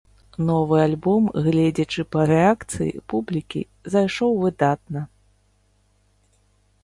Новы альбом, гледзячы па рэакцыі публікі, зайшоў выдатна.